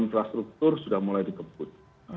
infrastruktur sudah mulai dikeput